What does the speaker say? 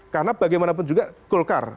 karena bagaimanapun juga golkar